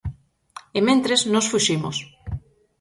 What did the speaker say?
E, mentres, nós fuximos.